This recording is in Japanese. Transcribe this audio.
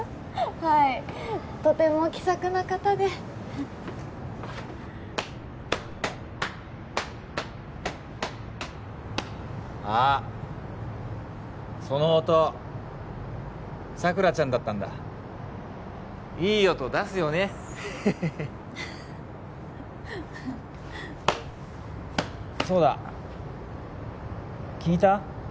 はいとても気さくな方であっその音佐倉ちゃんだったんだいい音出すよねへへへっそうだ聞いた？